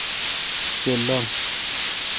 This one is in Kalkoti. یہ۔ لنگ